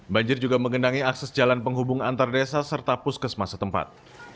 banjir juga mengendangi akses jalan penghubung antar desa serta puskesmas setempat